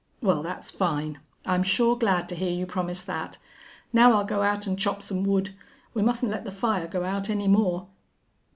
"Well, that's fine. I'm sure glad to hear you promise that. Now I'll go out an' chop some wood. We mustn't let the fire go out any more."